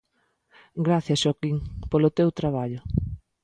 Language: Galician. Grazas, Xoaquín, polo teu traballo.